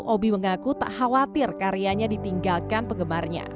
obi mengaku tak khawatir karyanya ditinggalkan penggemarnya